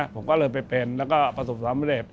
ผมก็เริ่มไปเป็นแล้วก็ประสบสำเร็จ